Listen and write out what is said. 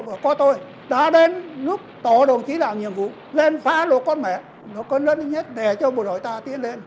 bảo có tôi đã đến lúc tỏ đồng chí làm nhiệm vụ lên phá lột con mẹ nó cân lất nhất để cho bộ đội ta tiến lên